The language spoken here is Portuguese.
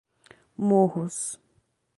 Morros